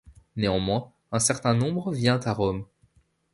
Néanmoins, un certain nombre vient à Rome.